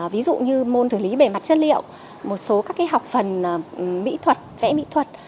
ví dụ như môn thử lý bề mặt chất liệu một số các học phần vẽ mỹ thuật